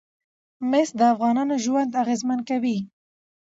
مس د افغانانو ژوند اغېزمن کوي.